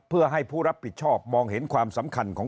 เพื่อให้ผู้รับผิดชอบมองเห็นความสำคัญของ